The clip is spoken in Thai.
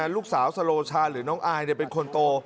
ลูกสาวสโลชาหรือน้องอายเป็นคนโต